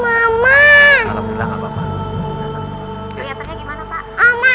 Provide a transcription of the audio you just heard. oh apa tidak ada yang lupa pak